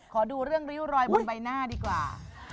ขอดูเรื่องริ้วรอยบนใบหน้าดีกว่า